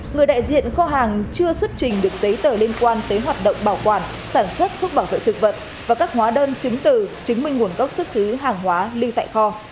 người đại diện kho hàng chưa xuất trình được giấy tờ liên quan tới hoạt động bảo quản sản xuất thuốc bảo vệ thực vật và các hóa đơn chứng từ chứng minh nguồn gốc xuất xứ hàng hóa ly tại kho